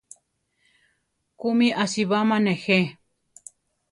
¿Kúmi asibáma nejé?